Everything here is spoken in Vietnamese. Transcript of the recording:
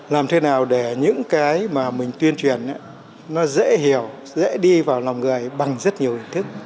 làm thế nào để những cái mà mình tuyên truyền nó dễ hiểu dễ đi vào lòng người bằng rất nhiều hình thức